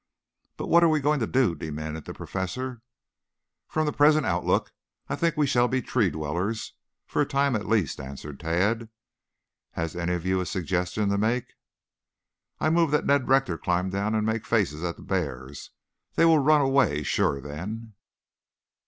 "But what are we going to do?" demanded the Professor. "From the present outlook I think we shall be tree dwellers, for a time at least," answered Tad. "Has any of you a suggestion to make?" "I move that Ned Rector climb down and make faces at the bears. They will run away sure then."